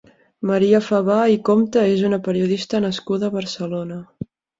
Maria Favà i Compta és una periodista nascuda a Barcelona.